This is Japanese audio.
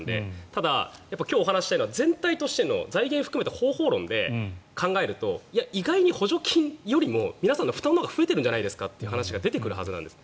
ただ、今日お話ししたいのは全体としての財源含めて方法論で考えると意外に補助金よりも皆さんの負担のほうが増えてるんじゃないかという話が出てくるはずなんです。